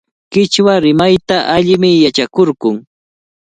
Qichwa rimayta allimi yachakurqun.